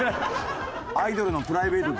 アイドルのプライベート。